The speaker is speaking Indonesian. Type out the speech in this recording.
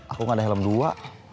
aku gak ada helm dua